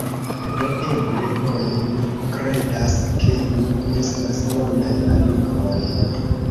Do eble, bone, mi kredas ke ni estos bonaj amikoj